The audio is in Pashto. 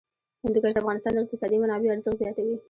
هندوکش د افغانستان د اقتصادي منابعو ارزښت زیاتوي.